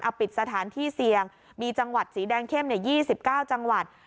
เอาปิดสถานที่เสี่ยงมีจังหวัดสีแดงเข้ม๒๙จังหวัด